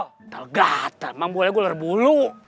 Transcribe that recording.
gatel gatel emang boleh gua lerbulu